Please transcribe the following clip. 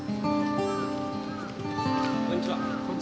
こんにちは。